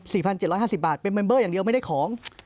พันเจ็ดร้อยห้าสิบบาทเป็นเมมเบอร์อย่างเดียวไม่ได้ของ